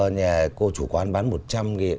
nhà cô chủ quán bán một trăm linh nghìn